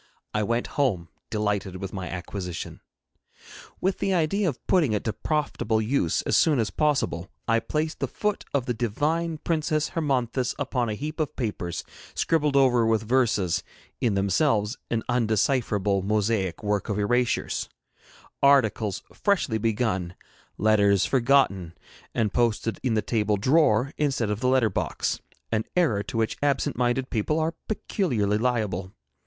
I went home, delighted with my acquisition. With the idea of putting it to profitable use as soon as possible, I placed the foot of the divine Princess Hermonthis upon a heap of papers scribbled over with verses, in themselves an undecipherable mosaic work of erasures; articles freshly begun; letters forgotten, and posted in the table drawer instead of the letter box, an error to which absent minded people are peculiarly liable.